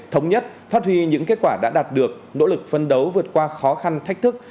thống nhất phát huy những kết quả đã đạt được nỗ lực phân đấu vượt qua khó khăn thách thức